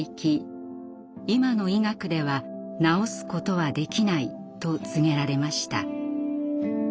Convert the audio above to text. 今の医学では治すことはできない」と告げられました。